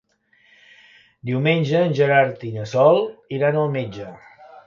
Diumenge en Gerard i na Sol iran al metge.